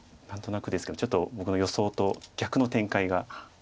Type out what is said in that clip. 何となくですけどちょっと僕の予想と逆の展開が。